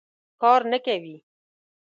کار نه کوي.